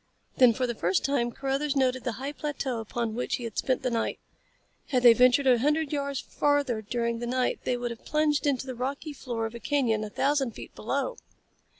Then for the first time Carruthers noted the high plateau upon which he had spent the night. Had they ventured a hundred yards farther during the night they would have plunged into the rocky floor of a canyon a thousand feet below.